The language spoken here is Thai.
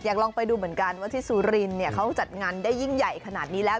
ลองไปดูเหมือนกันว่าที่สุรินเนี่ยเขาจัดงานได้ยิ่งใหญ่ขนาดนี้แล้ว